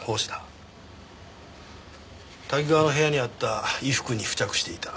瀧川の部屋にあった衣服に付着していた。